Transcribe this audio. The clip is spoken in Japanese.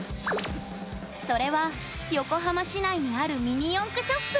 それは横浜市内にあるミニ四駆ショップ。